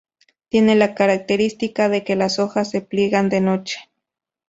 Tiene la característica de que las hojas se pliegan de noche.